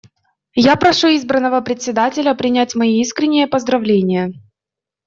Я прошу избранного Председателя принять мои искренние поздравления.